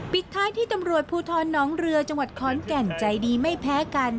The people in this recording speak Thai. ปิดท้ายที่ตำรวจภูทรน้องเรือจังหวัดขอนแก่นใจดีไม่แพ้กัน